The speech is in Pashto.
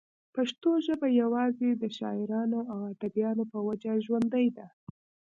پښتو ژبه يوازې دَشاعرانو او اديبانو پۀ وجه ژوندۍ ده